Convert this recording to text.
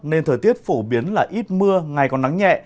nên thời tiết phổ biến là ít mưa ngày còn nắng nhẹ